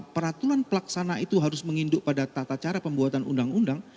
peraturan pelaksana itu harus menginduk pada tata cara pembuatan undang undang